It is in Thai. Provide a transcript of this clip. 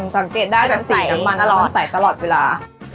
สังเกตได้จะใสตลอดเวลา